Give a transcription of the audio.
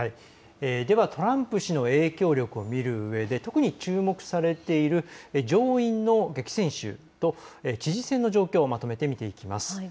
トランプ氏の影響力を見るうえで特に注目されている上院の激戦州と知事選の状況をまとめて見ていきます。